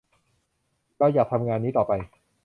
เราอยากทำงานนี้ต่อไป